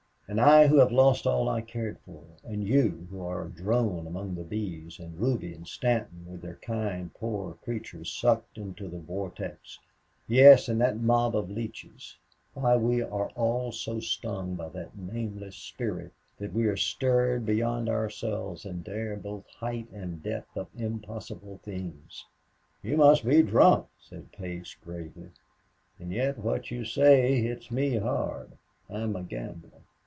And I, who have lost all I cared for, and you, who are a drone among the bees, and Ruby and Stanton with their kind, poor creatures sucked into the vortex; yes, and that mob of leeches, why we all are so stung by that nameless spirit that we are stirred beyond ourselves and dare both height and depth of impossible things." "You must be drunk," said Place, gravely, "and yet what you say hits me hard. I'm a gambler.